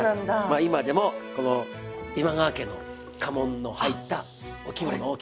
今でもこの今川家の家紋の入ったお着物を着ております。